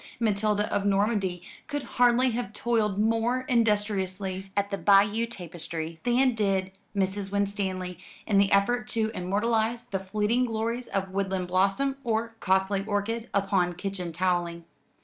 Matilda of Normandy could hardly have toiled more industriously at the Bayeux tapestry than did Mrs. Winstanley, in the effort to immortalise the fleeting glories of woodland blossom or costly orchid upon kitchen towelling.